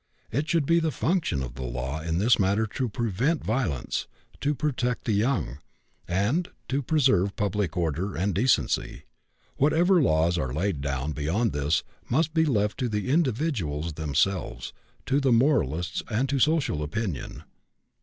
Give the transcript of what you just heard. It should be the function of the law in this matter to prevent violence, to protect the young, and to preserve public order and decency. Whatever laws are laid down beyond this must be left to the individuals themselves, to the moralists, and to social opinion.